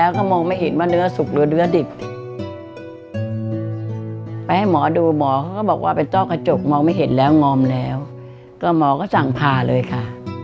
ก็หมอก็สั่งผ่าเลยค่ะ